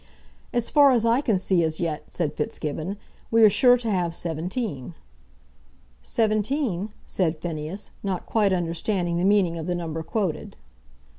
"As far as I can see as yet," said Fitzgibbon, "we are sure to have seventeen." "Seventeen?" said Phineas, not quite understanding the meaning of the number quoted.